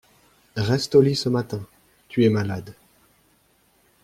Reste au lit ce matin, tu es malade.